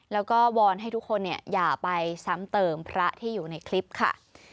แล้วก็วอนให้ทุกคนอย่าไปซ้ำเติมพระที่อยู่ในคลิปค่ะ